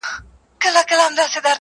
• رباعیات -